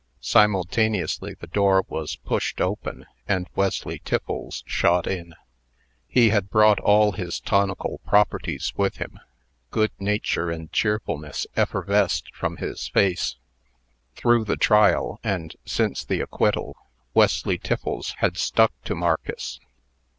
Simultaneously, the door was pushed open, and Wesley Tiffles shot in. He had brought all his tonical properties with him. Good nature and cheerfulness effervesced from his face. Through the trial, and since the acquittal, Wesley Tiffles had stuck to Marcus.